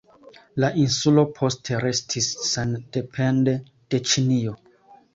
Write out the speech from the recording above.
La insulo poste restis sendepende de Ĉinio.